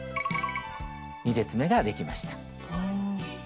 ２列めができました。